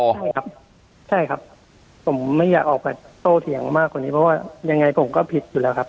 ใช่ครับใช่ครับผมไม่อยากออกไปโต้เถียงมากกว่านี้เพราะว่ายังไงผมก็ผิดอยู่แล้วครับ